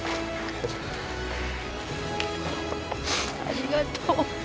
ありがとう。